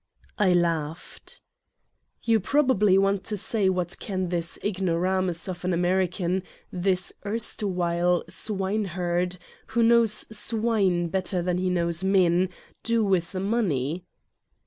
I laughed. "You probably want to say what can this ig noramus of an American, this erstwhile swine herd, who knows swine better than he knows men, do with the money?"